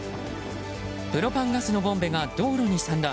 プロパンガスのボンベが道路に散乱。